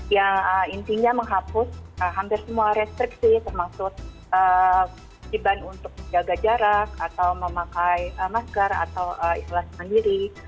yang intinya menghapus hampir semua restriksi termasuk diban untuk menjaga jarak atau memakai masker atau isolasi mandiri